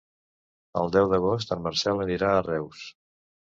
El deu d'agost en Marcel anirà a Reus.